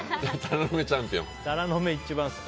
タラの芽一番好き。